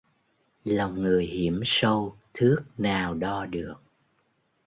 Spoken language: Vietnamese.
Lòng người hiểm sâu thước nào đo được